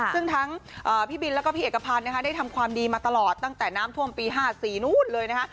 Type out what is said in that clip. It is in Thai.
ซึ่งทั้งพี่บินแล้วก็พี่เอกพันธ์นะคะได้ทำความดีมาตลอดตั้งแต่น้ำท่วมปี๕๔นู้นเลยนะคะ